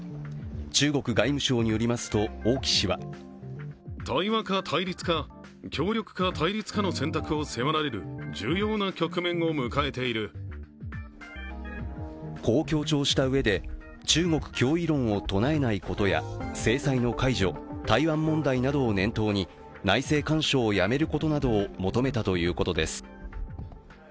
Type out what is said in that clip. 中国外務省によりますと王毅氏はこう強調したうえで、中国脅威論を唱えないことや制裁の解除、台湾問題などを念頭に内政干渉をやめることなどを求めたということです。